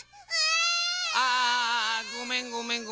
あああごめんごめんごめん。